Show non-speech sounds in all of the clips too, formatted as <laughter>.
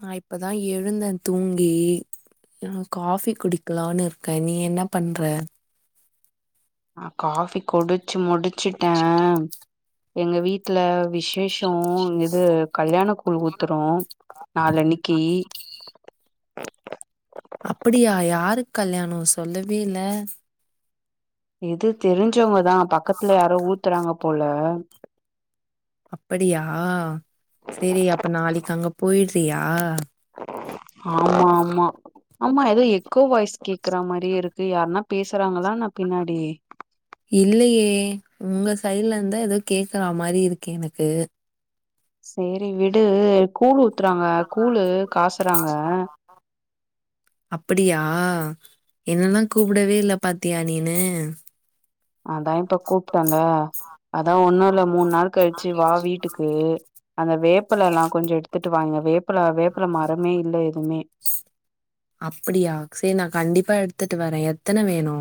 நா இப்பதா எழுந்தே தூங்கி காபி குடிக்கலானு இருக்கே நீ என்ன பண்ற ஆ காபி குடிச்சி முடி வச்சுட்டே எங்க வீட்டுல விசேஷம் இது கல்யாண கூழ் ஊத்துரோ நாலன்னிக்கி அப்படியா யாரு கல்யாணோ சொல்லவே இல்ல இது தெரிஞ்சவங்கதா பக்கத்துல யாரோ ஊத்துறாங்க போல அப்படியா செரி அப்ப நாளிக்கு அங்க போயிட் தியா ஆமா ஆமா ஆமா ஏதோ எக்கோ வயஸ் கேக்குற மாதிரிே இருக்கு யாருன்னா பேசுறாங்களா நான் பின்னாடி இல்லயே உங்க சைட்ல இருந்தா ஏதோ கேக்குற மாரி இருக்கு எனக்கு சேரி விடு கூழு ஊத்துறாங்க காசுறாங்க அப்படியா என்னல்லாம் கூப்பிடவே இல்ல பாத்தியா நீனு அதான் இப்ப கூப்பிட்டன்ல அதான் ஒன்னுல மூணு நாள் கழிச்சு வா வீட்டுக்கு அந்த வேப்பல எல்லா கொஞ்சம் எடுத்துட்டு வாங்க ப்பல வேப்பல மரமே இல்ல எதுமே அப்படியா சரி நான் கண்டிப்பா எடுத்துட்டு வரேன் எத்தனை வேணு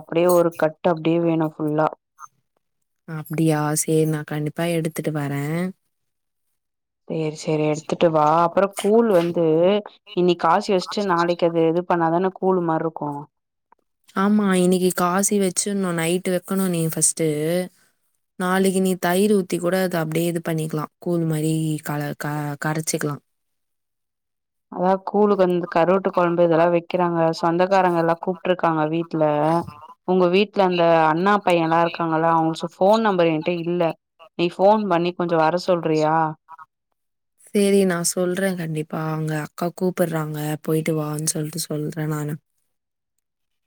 அப்படியே ஒரு கட் ட அப்படியே வேணு ஃபுல்லா அப்டியா சரி நா கண்டிப்பா எடுத்துட்டு வரே சரி சரி எடுத்துட்டு வா அப்பற கூழ் வந்து இன்னி காசு வச்சுட்டு நாளைக்கு அது இது பண்ணாதான கூழ் மாரிருக்கு ஆமா இன்னைக்கு காசி வச்சுன்னு நைட்டு வைக்கணு நீ பஸ்ட்டு நாளைக்கு நீ தயிர் ஊத்தி கூட அத அப்டியே இது பண்ணிக்கலா கூழ் மாரி கல க கரைச்சிக்கலா அதா கூலுக்கு வந்த கருவாட்டு குழம்பு இதெல்லா வைக்கிறாங்க சொந்தக்காரங்கல்லா கூப்பிட்ருக்காங்க வீட்டுல உங்க வீட்டுல அந்த அண்ணா பையல்லா இருக்காங்கள அவங்க சு போன் நம்பர் ஏங்கிட்ட இல்ல நீ போன் பண்ணி கொஞ்ச வர சொல்றியா சேரி நான் சொல்றேன் கண்டிப்பா அங்க அக்கா கூப்பிடுறாங்க போயிட்டு வான்னு சொல்ட்டு சொல்றே நானு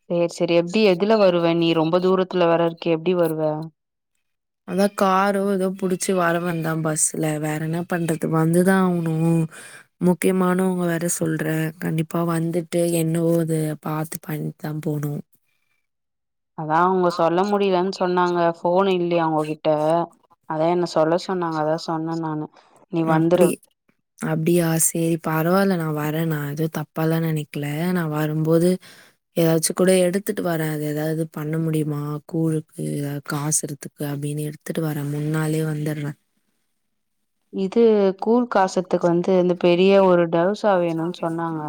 சேர் செரி எப்டி எதுல வருவ நீ ரொம்ப தூரத்துல வேற க எப்டி வருவ அதா காரோ எதொ புடிச்சு வர வந்தா பஸ்ல வேறன்ன பண்றது வந்துதா ஆவுணு முக்கியமானவுங்க வேற சொல்ற கண்டிப்பா வந்துட்டு என்னவோ அத பாத்து பண்ணித்தா போணும் அதான் அவுங்க சொல்ல முடிலன்னு சொன்னாங்க ஃபோன் இல்லியா அவுங்ககிட் ட அதா என்ன சொ நீ வந்துரு அப்டி அப்டியா சேரி பரவால நா வர் ற நா எது தப்பாலா நெனிக்கல நா வரும்போது எதாச்சு கூட எடுத்துட்டு வரே எதாது பண்ண முடியுமா கூழுக்கு காசுறதுக்கு அப்படின்னு எடுத்துட்டு வரன் முன்னாலயே வந்தர் ற இது கூழ் காசர்த்துக்கு வந்து இந்த பெரிய ஒரு டவுசா வேணுன்னு சொன்னாங்க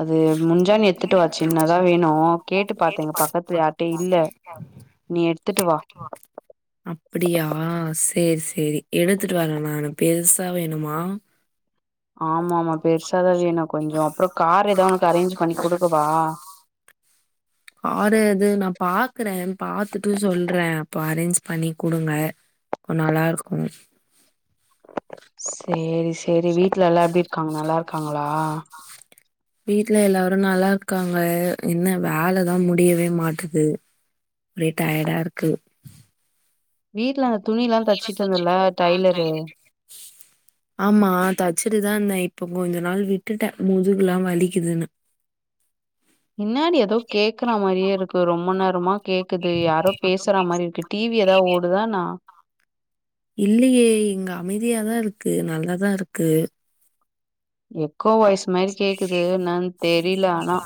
அது முஞ்ஜா நீ எத்துட்டு வா சின்னதா வேணு கேட்டு பாத்தே இங்க பக்கத்துல யார்ட்டயு இல்ல நீ எடுத்துட்டு வா சேரி சேரி எடுத்துட்டு வர நானு பெர்சா வேணுமா ஆம் மா ஆமா பெர்சாதா வேணு கொஞ்சோ அப்ற கார் எதா உனக்கு அரேஞ்ச் பண்ணி குடுக்கவா காரு அது நா பாக்குறேஜபாத்துட்டு சொல்றே அப்போ அரேஞ்ச் பண்ணி குடுங்க ப்ப நல்லாருக்கு சேரி சே சேரி வீட்ல எல்லாம் எப்டிர்க்காங்க நல்லாருக்காங்களா வீட்ல எல்லாரு நல்லார்க்காங்க என்ன வேலதா முடியவே மாட்டுது ஒரே டயடாருக்கு. வீட்ல துணில்லா தச்சிட்டு இருந்தல்ல டைலரு ஆமா தச்சிடு தான்ந்த இப்ப கொஞ்ச நாள் விட்டுட்ட முதுகுலா வலிக்குதுன்னு ன்னாடி ஏதோ கேக்குற மாறியே இருக்கு ரொம்ப நேர மா டிவி ஏதா ஓடுதா என்னா இல்லியே இங்க அமைதியாதா இருக் க்கு நல்லாதா இருக்கு எ க்கோ வாய்ஸ் மாரி கேக்குது என்னான் தெரில ஆனா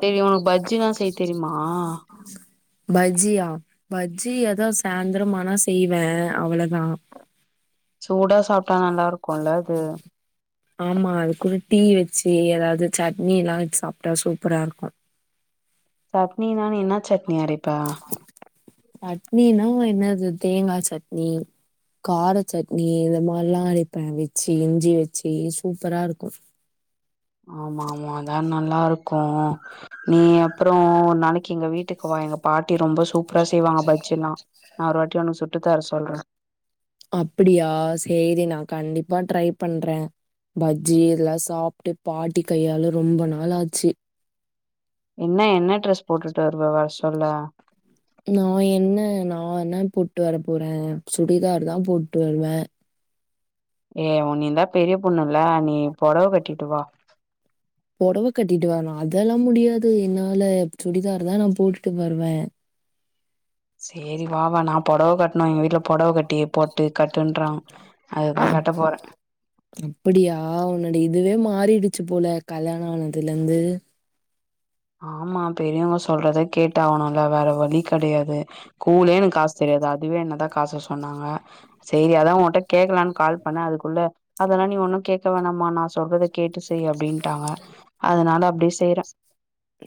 சேரி உனக்கு பஜ்ஜினா செய்ய தெரிமா பஜ்ஜியா? பஜ்ஜி அதா சாய்ந்திரமானா செய்வே அவ்வளதான் சூடா சாப் டா நல்லாருக்குல்ல அது ஆமா அது கூட டீ வச்சு எதாது சட்னிலா வச் சாப்ட்டா சூப்பராருக்கு சட்னினா நீ இன்னா சட்னி அரைப் ப்ப சட்னினா என்னது தேங்கா சட்னி கார சட்னி இந்த மாரிலா அரப்பேன் வச்சு இஞ்சி வச்சு சூப்பராருக்கும் ஆமா ஆமா அதா நல்லாருக்கு நீ அப்றம் ஒரு நாளைக்கு எங்க வீட்டுக்கு வா எங் பாட்டி ரொம்ப சூப்ரா செய்வாங்க பஜ்ஜில்லா நா ஒரு வாட்டி உனக் சுட் ட்டு தர சொல்றே அப்டியா சேரி நா கண்டிப்பா ட்ரை பண்றே பஜ்ஜி இதலா சாப்ட்டு பாட்டி கையால ரொம்ப நாளாச்சு. என்ன என்ன ட்ரெஸ் போட்டுட்டு வருவ வர சொல்ல நா என்ன நா என்ன போட்டு வர போறே சுடிதார் தா போட்டு வருவே ஏ உ நீ தா பெரிய பொண்ணு இல்ல நீ பொடவ கட்டிட்டு வா பொடவ கட்டிட்டு வரணு அதெல்லா முடியாது என்னால சுடிதார தா நா போட்டுட்டு வருவேன் சேரி வா வா நா பொடவ கட் னா எங்க வீட்ல பொடவ கட்டி போட்டு கட்டுன்றா அதுதா அப் கட்ட போறேன் அப்படியா உன்னோட இதுவே மாறிடுச்சு போல கல்யாணம் ஆனதுல இருந்து ஆமா பெரியவங்க சொல்றத கேட்டாகணுல்ல வேற வலி கெடையாது கூலே எனக் காசு தெரியாது அதுவே என்னதா காச சொன்னாங்க சேரி அதா உன்ட்ட கேக்கலான்னு கால் பண்ணே அதுக்குள்ள அதெல்லா நீ ஒண்ணு கேட்க வேணாம்மா நா சொல்றத கேட்டு செய் அப்டின்னு டாங்க அதனால அப்டியே செய்றே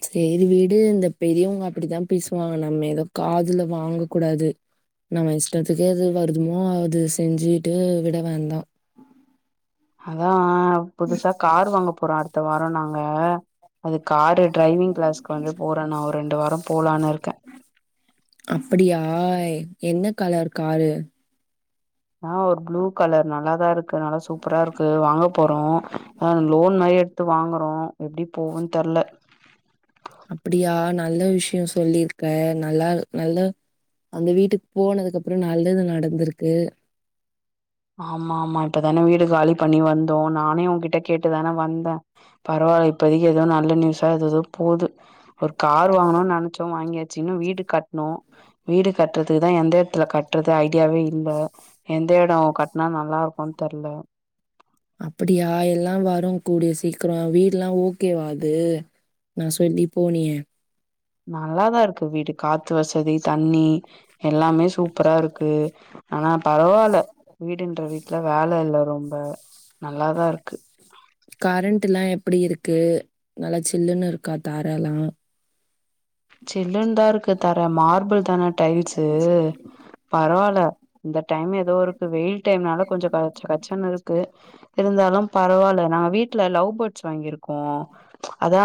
செரி விடு இந்த பெரியவங்க அப்படிதா பேசுவாங்க நம்ம ஏது காதுல வாங்க கூடாது நம்ம இஷ்டத்துக்கே அது வருதுமோ அது செஞ்சுட்டு விட வேண்டா அதா ஆ புதுசா கார் வாங்க போறோ அடுத் த்த வாரோ நாங்க அது காரு டிரைவிங் கிளாஸ்க்கு வந்து போறே நா ஒரு ரெண்டு வாரம் போலான்னு இருக்கே அப்டியா என்ன கலர் காரு ஆஹ் ஒரு ப்ளூ கலர் நல்லாதா இருக்கு நல்லா சூப்பரா இருக்கு வாங்க போறோ லோன் மாரி எடுத்து வாங்குறோ எப்டி போகுன்னு தெர்ல அப்படியா நல்ல விஷயம் சொல்லியிருக்க நல்லா நல்ல அந்த வீட்டுக்கு போனதுக்கு அப்புறம் நல்லது நடந்திருக்கு ஆமா ஆமா இப்பதானே வீடு காலி பண்ணி வந்தோ நானே உன்கிட்ட கேட்டுதானே வந்தே பரவாயில்ல இப்பதைக்கு ஏதோ நல்ல நியூஸா ஏததோ போது ஒரு கார் வாங்கணுனு நெனச்சோ வாங்கியாச்சு வீடு கட்ணும் வீடு கட்டுறதுக்குதா எந்த எடத்துல கட்டுறது ஐடியாவே இல்ல எந்த எடம் கட்னா நல்லா இருக்குன்னு தெர்ல அப்படியா எல்லா வரும் கூடிய சீக்கிரம் வீடுல்லா ஓகேவா அது நா சொல்லி போனியே நல்லாதா இருக்கு வீடு காத்து வசதி தண்ணி எல்லாமே சூப்பரா இருக்கு ஆனா பரவால்ல வீடுன்ற வீட்டுல வேல இல்ல ரொ ரொம்ப நல்லாதா இருக்கு கரண்ட்ல்லா எப்படி இருக்கு நல்லா சில்லுன்னு இருக்கா தரல்லா சில்லுன்னு தா இருக்கு தர மார்பிள் தான டைல்ஸு பரவால்ல இந்த டைம் ஏதோ இருக்கு வெயில் டைம்னால கொஞ்சம் கச்ச கச்சன்னு இருக்கு இருந்தாலும் பரவால்ல நாங்க வீட்டுல லவ் பேர்ட்ஸ் வாங்கிருக்கோ அதா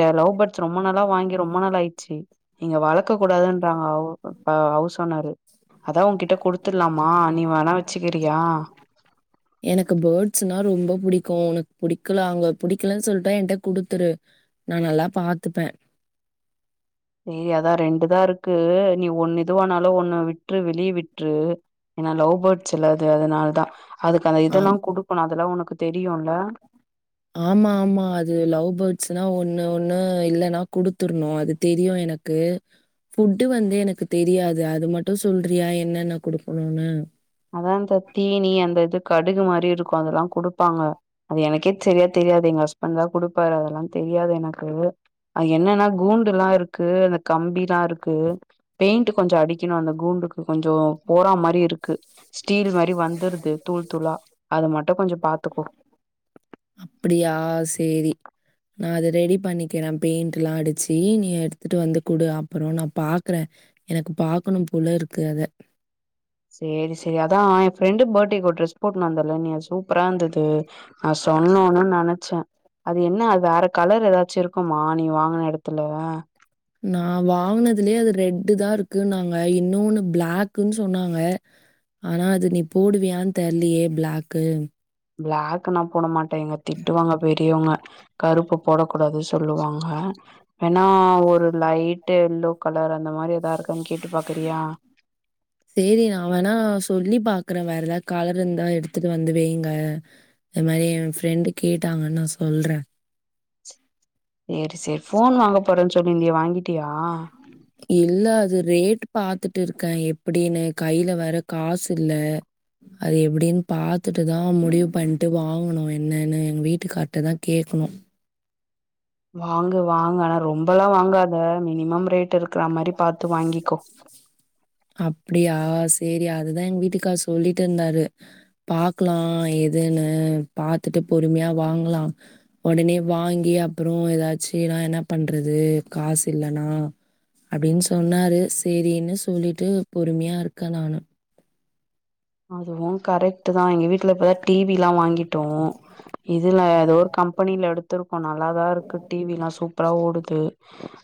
த லவ் பேர்ட்ஸ் ரொம்ப நல்ல வாங்கி ரொம்ப நாளா ஆயிட் ம் இங்க வளக்க கூடாதுன்றாங்க <unintelligible> ஹவுஸ் ஓனர்ரு அதா உன்கிட்ட குடுத்துடலாமா நீ வேண வச்சுக்கிறியா பிடிக்கு உனக்கு பிடிக்கல அவங்க பிடிக்கலன்னு சொல்ட்டா என்ட குடுத்துரு நா நல்லா பாத்தப்பே <unintelligible> அதா ரெண்டுதா இருக்கு நீ ஒண்ணு இதுவனாலு ஒண்ணு விட்டுறு வெளிய விட்டுறு ஏன்னா லவ் பேர்ட்ஸ் செல்லது அதனாலதா அதுக்கு அந்த இதெல்லா ஆம். குடுக்கணு அதெல்லா உனக்கு ப்ப தெரியுல்லா ஆமா ஆமா அது லவ் பேர்ட்ஸ்னா ஒண்ணு ஒண்ணு இல்லன்னா குடுத்துருணு அது தெரியு எனக்கு ஃபுட்டு வந்து எனக்கு தெரியாது அது மட்டும் சொல்றியா என்னன்ன குடுக்கணும்னு அதா இந்த தீனி அந்த இதுக்கு கடுகு மாரி இருக்கு அதெல்லா குடுப்பாங்க அது எனக்கே சரியா தெரியாது எங்க ஹஸ்பண்ட் தா குடுப் பாரு அதெல்லா தெரியாது எனக்கு அது என்னன்னா கூண்டு எல்லா இருக் க்கு அந்த கம்பில இருக்கு பெயிண்ட் கொஞ்சோ அடிக்கணு அந்த கூண்டுக்கு கொஞ்சோ போறா மாரி இருக்கு ஸ்டீல் மாரி வந்துருது தூள் துளா அது மட் அப்படியா சரி நா அதுத் ரெடி பண்ணிக்கிறே பெயிண்ட்லா அடிச்சு நீ எடுத்துட்டு வந்து குடு அப்புறோ நா பாக்குறே எனக்கு பாக்கணும் போல இருக்கு அத. செரி செரி அதா என் ஃப்ரெண்டு பட்டேக்கு ஒரு ட்ரெஸ் போட்ன்னு வந்தல நீ சூப்பரா இந்தது ஆ சொன்னேன்னு நெனச்சே அது என்ன அது வேற கலர் ஏதாச்சு இருக்குமா நீ வாங்கின இடத்துல நா வாங்கினதுலயே அது ரெட்டு தா இருக்கு நாங்க இன்னொன்னு பிளக்குன்னு சொன்னாங்க ஆனா அது நீ போடுவியான்னு தெர்லையே பிளாக்கு பிளாக் நா போட மாட் டே எங்க திட்டுவாங்க பெரியவங்க கருப்பு போடக்க கூடாது சொல்லுவாங்க ஏணா ஒரு லைட்ட எல்லோ கலர் அந்த மாரி எதா இருக்கன்னு கேட்டு பாக்குறியா செரி நா வேணா சொல்லி பாக்குறேன் வேற ஏதாவது கலர் இருந்தா எடுத்துட்டு வந்து வெய்ங்க அது மாரி என் ஃப்ரெண்டு கேட்டாங்கன்னு நா சொல்றே செரி செரி ஃபோன் வாங்கப் போறேன்னு சொல்லிருந்திய வாங்கிட்டியா இல்ல அது ரேட் பாத்துட்டு இருக்கே எப்டின்னு கையில வேர காசு இல்ல அது எப்டின்னு பாத்துட்டுதா முடிவு பண்ட்டு வாங்கணு என்னன்னு எங்க வீட்டுக்கார் கிட்ட தா கேக்கணு வாங்க வாங்க ஆனா ரொம்பல்லா வாங்காத மினிமம் ரேட் இருக் அப்டியா செரி அதுதா எங்க வீட்டுக்கார் சொல்லிட்ருந்தாரு பாக்கலா எதுன்னு பாத்துட்டு பொறுமையா வாங்கலா உடனே வாங்கி அப்றோ ஏதாச்சினா என்ன பண்றது காசு இல்லன்னா அப்டின் சொன்னாரு செரின்னு சொல்லிட்டு பொறுமையா இருக்கே நானு அதுவு கரெக்ட்டு தா எங்க வீட்டுல இப்தா டி வி எல்லா வாங்கிட் டோ இதுல ஏதோ ஒரு கம்பெனில எடுத் இப்ப நல்லாதான் இருக்கு டிவிலாம் சூப் சூப்பர் ஆ ஓடுது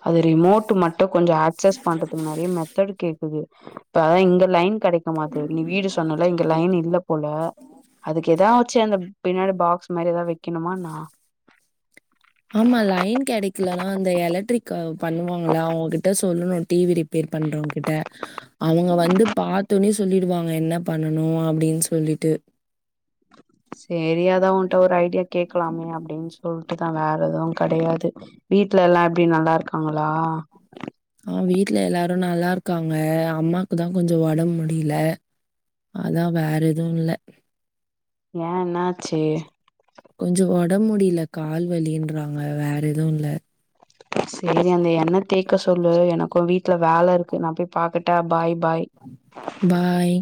அது ரிமோட் மட்டு கொஞ்சம் ஆக்சஸ் பண்றதுக்கு நிறைய மெத்தட் கேடக்குது <inaudible> இப்ப இங்க லைன் கிடைக்க மாட்டது நீ வீடு சுத் நால இங்க லைன் இல்ல போல அதுக்கு எதாவச்சு அந்த பின்னாடி பாக்ஸ் மாரி எதாது வைக்கணுமான்னா ஆமா லைன் கெடைக்லனா அந்த எலக்ட்ரிக் அ பண்ணுவாங்கல்ல அவங்கிட்ட சொல்லுணு டிவி ரிப்பேர் பண்றவங்கிட்ட அவுங்க வந்து பாத்தோனே சொல்லிடுவாங்க என்ன பண்ணணு அப்டின் சொல்லிட்டு சேரி அதா உன்ட்ட ஒரு ஐடியா கேக்கலாமே அப்டின் சொல்ட்டுதா வேற எதுவும் கெடையாது வீட்ல எல்லா எப்டி நல்லாருக்காங்களா அ வீட்ல எல்லாரு நல்லாருக்காங்க அம்மாக்குதா கொஞ்சோ ஒடம்முடில அதா வேற எதுவு இல்ல ஏ என்னாச்சு கொஞ்சோ ஒடம்முடியல கால் வலின்றாங்க வேற எதுவு இல்ல சேரி அந்த என்ன தேக்க சொல்லு எனக்கு வீட் ல வேல இருக்கு நா போய் பாக்குட்டா பாய் பாய் பாய்.